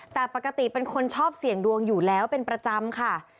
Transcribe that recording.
แต่ปกติเป็นคนชอบเสี่ยงดวงอยู่แล้วเป็นประจำค่ะ